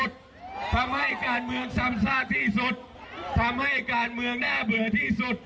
ทำให้การเมืองซ้ำซากที่สุดทำให้การเมืองน่าเบื่อที่สุด